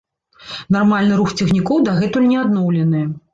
Нармальны рух цягнікоў дагэтуль не адноўлены.